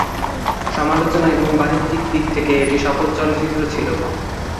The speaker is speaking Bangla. সমালোচনা এবং বাণিজ্যিক দিক থেকে এটি সফল চলচ্চিত্র ছিল।